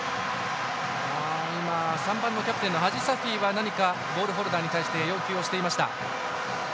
３番のキャプテンのハジサフィは何かボールホルダーに対して要求をしていました。